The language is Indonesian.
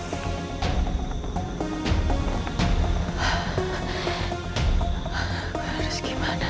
ia harus gimana